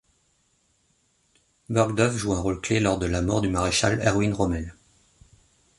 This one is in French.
Burgdorf joue un rôle clé lors de la mort du maréchal Erwin Rommel.